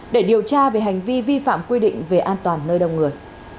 để điều tra về hành vi vi phạm quy định về an toàn nơi đông người